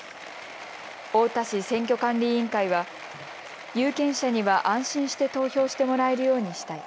太田市選挙管理委員会は有権者には安心して投票してもらえるようにしたい。